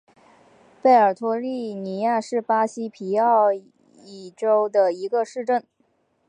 贝尔托利尼亚是巴西皮奥伊州的一个市镇。